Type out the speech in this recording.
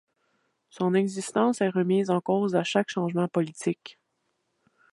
Son existence est remise en cause à chaque changement politique.